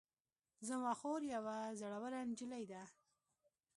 زما خور یوه زړوره نجلۍ ده